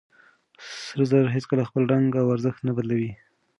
سره زر هيڅکله خپل رنګ او ارزښت نه بدلوي.